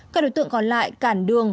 các đối tượng còn lại cản đường